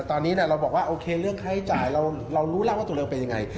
ตอนนี้เราบอกว่าโอเคเรื่องค่าใช้จ่ายเรารู้แล้วว่าตัวเราเป็นยังไง